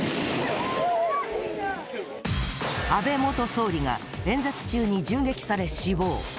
安倍元総理が演説中に銃撃され、死亡。